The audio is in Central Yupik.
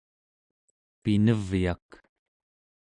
pinevyak